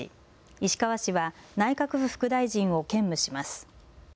石川氏は内閣府副大臣を兼務します。